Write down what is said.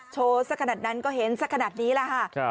สักขนาดนั้นก็เห็นสักขนาดนี้แหละค่ะ